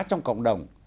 trong cộng đồng